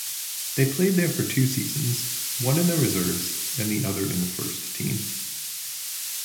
They played there for two seasons, one in the reserves and the other in the first team.